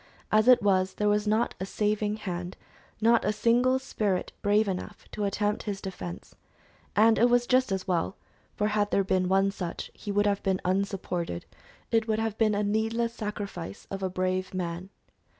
As it was there was not a saving hand not a single spirit brave enough to attempt his defense; and it was just as well, for had there been one such, he would have been unsupported; it would have been a needless sacrifice of a brave man.